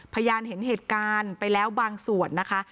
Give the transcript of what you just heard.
พยานเห็นเหตุการณ์ไปแล้วบางส่วนนะคะ